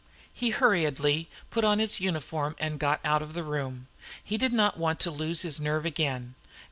He hurriedly put on his uniform and got out of the room. He did not want to lose his nerve again.